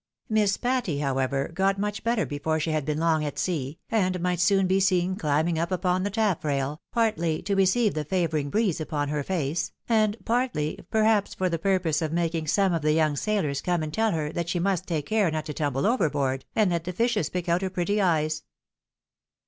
Miss Patty, however, got much better before she had been long at sea, and might soon be seen climbing up upon the tafifrail, partly to receive the favouring breeze upon her face, and partly, perhaps, for the purpose of making some of the young sailors come and tell her that she must take care not to tumble overboard, and let the fishes pick out her pretty eyes.